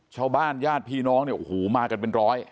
ญาติพี่น้องเนี่ยโอ้โหมากันเป็นร้อย